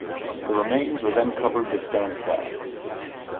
The remains were then covered with stone slabs.